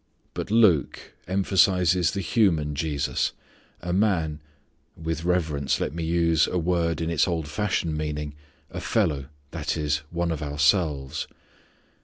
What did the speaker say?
But Luke emphasizes the human Jesus, a Man with reverence let me use a word in its old fashioned meaning a fellow, that is, one of ourselves.